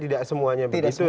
tidak semuanya begitu